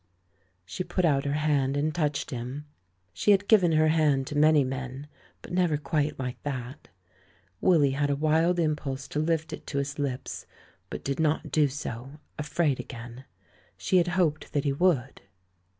She put out her hand and touched him. She had given her hand to many men, but never quite like that. Willy had a wild impulse to lift it to his hps, but did not do so — afraid again. She had hoped that he would.